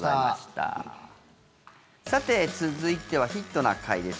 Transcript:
さて、続いては「ヒットな会」です。